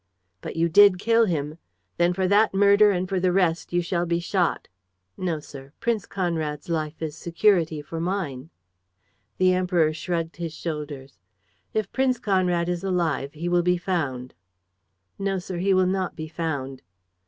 "But you did kill him? Then for that murder and for the rest you shall be shot." "No, sir. Prince Conrad's life is security for mine." The Emperor shrugged his shoulders: "If Prince Conrad is alive he will be found." "No, sir, he will not be found."